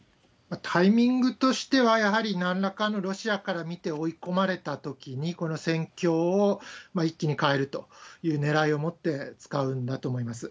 タイミングとしては、やはりなんらかのロシアから見て追い込まれたときに、この戦況を一気に変えるというねらいをもって使うんだと思います。